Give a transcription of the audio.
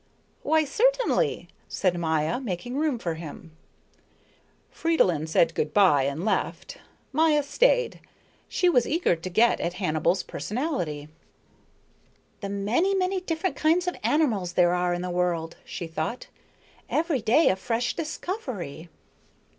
"Why, certainly," said Maya, making room for him. Fridolin said good by and left. Maya stayed; she was eager to get at Hannibal's personality. "The many, many different kinds of animals there are in the world," she thought. "Every day a fresh discovery."